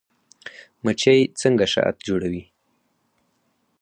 مچۍ څنګه شات جوړوي؟